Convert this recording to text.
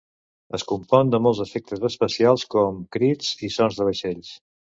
Es compon de molts efectes especials, com crits i sons de vaixells.